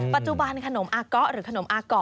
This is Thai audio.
ปัจจุบันขนมอักเกาะหรือกลมอาก่อ